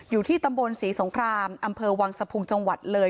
อยู่ที่ตำบลศรีสงครามอำเภอวังสะพุงจังหวัดเลย